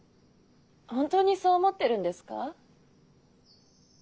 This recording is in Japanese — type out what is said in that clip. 本当にそう思ってるんですか？